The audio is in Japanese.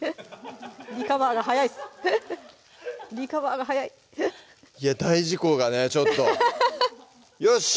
リカバーが早いですリカバーが早いいや大事故がねちょっとよし！